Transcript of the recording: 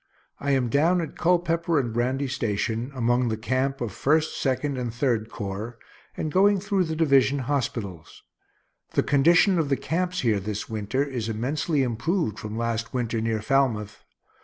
I am down at Culpepper and Brandy station, among the camp of First, Second, and Third Corps, and going through the division hospitals. The condition of the camps here this winter is immensely improved from last winter near Falmouth.